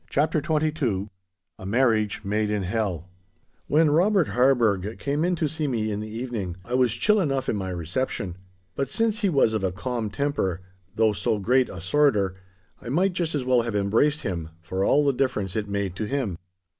*CHAPTER XXII* *A MARRIAGE MADE IN HELL* When Robert Harburgh came in to see me in the evening, I was chill enough in my reception; but since he was of a calm temper, though so great a sworder, I might just as well have embraced him, for all the difference it made to him.